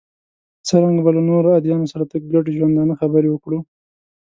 څرنګه به له نورو ادیانو سره د ګډ ژوندانه خبرې وکړو.